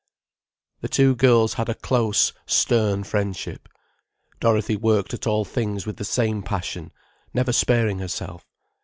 The two girls had a close, stern friendship. Dorothy worked at all things with the same passion, never sparing herself.